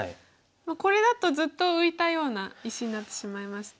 これだとずっと浮いたような石になってしまいまして。